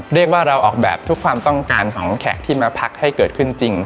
เรียกว่าเราออกแบบทุกความต้องการของแขกที่มาพักให้เกิดขึ้นจริง